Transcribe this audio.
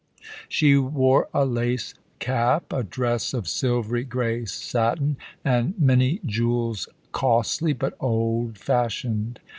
She wore a lace cap, a dress of silvery grey satin, and many jewels costly but old fashioned.